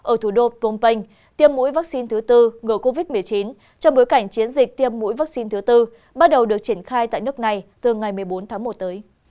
ở thủ đô phnom penh tiêm mũi vaccine thứ tư ngừa covid một mươi chín trong bối cảnh chiến dịch tiêm mũi vaccine thứ tư bắt đầu được triển khai tại nước này từ ngày một mươi bốn tháng một tới